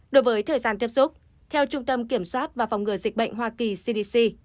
đối với thời gian tiếp xúc theo trung tâm kiểm soát và phòng ngừa dịch bệnh hoa kỳ cdc